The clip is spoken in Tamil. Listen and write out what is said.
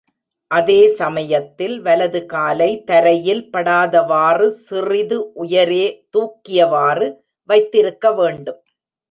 அதே சமயத்தில், வலது காலை தரையில் படாதவாறு சிறிது உயரே தூக்கியவாறு வைத்திருக்க வேண்டும்.